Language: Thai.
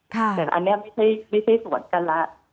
แต่อันนี้ไม่ใช่สวนกันแล้ว